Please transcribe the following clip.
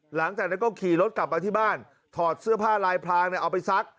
หลังจากนั้นก็ขี่รถกลับมาที่บ้านถอดเสื้อผ้าลายพรางเอาไปซัก